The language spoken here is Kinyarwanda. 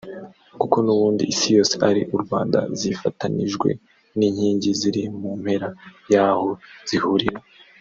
kuko nubundi Isi yose ari u-Rwanda) zifatanijwe n’inkingi ziri mu mpera y’aho zihurira